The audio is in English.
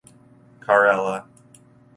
Carella.